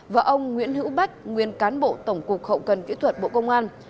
và ông nguyễn hữu bách nguyên cán bộ tổng cục hậu cần kỹ thuật bộ công an